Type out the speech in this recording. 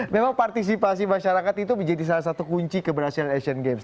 memang partisipasi masyarakat itu menjadi salah satu kunci keberhasilan asian games